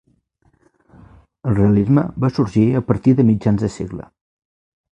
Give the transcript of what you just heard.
El realisme va sorgir a partir de mitjans de segle.